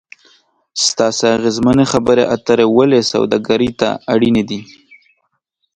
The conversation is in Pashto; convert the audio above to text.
ستاسې اغیزمنې خبرې اترې ولې سوداګري ته اړینې دي ؟